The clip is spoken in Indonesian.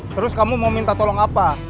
terus kamu mau minta tolong apa